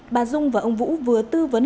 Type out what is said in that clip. bà dung và ông vũ vừa tư vấn